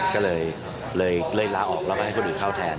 ก็เลยลาออกแล้วก็ให้คนอื่นเข้าแทน